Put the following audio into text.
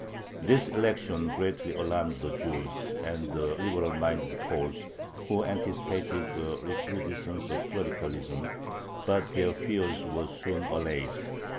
This election greatly alarmed the Jews and the liberal minded Poles, who anticipated a recrudescence of clericalism; but their fears were soon allayed.